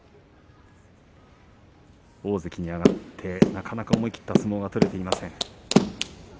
大関に上がってなかなか思い切った相撲が取れていません。